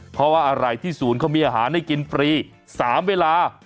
เพราะว่าอะไรที่ศูนย์เขามีอาหารให้กินฟรี๓เวลา